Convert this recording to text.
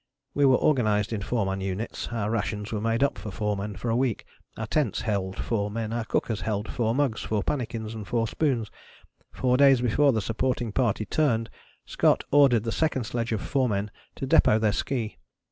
We were organized in four man units: our rations were made up for four men for a week: our tents held four men: our cookers held four mugs, four pannikins and four spoons. Four days before the Supporting Party turned, Scott ordered the second sledge of four men to depôt their ski.